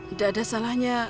nggak ada salahnya